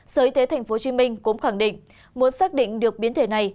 sở y tế tp hcm cũng khẳng định muốn xác định được biến thể này